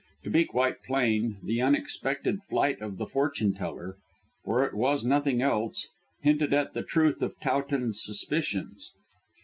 To be quite plain, the unexpected flight of the fortune teller, for it was nothing else, hinted at the truth of Towton's suspicions.